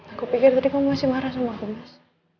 aku pikir tadi kamu masih marah sama aku mas